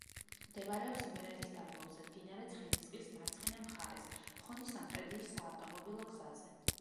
მდებარეობს იმერეთის დაბლობზე, მდინარე ცხენისწყლის მარცხენა მხარეს, ხონი–სამტრედიის საავტომობილო გზაზე.